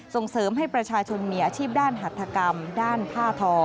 ส่งเสริมให้ประชาชนมีอาชีพด้านหัตถกรรมด้านผ้าทอ